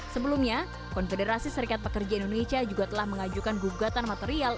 sebelumnya konfederasi serikat pekerja indonesia juga telah mengajukan gugatan material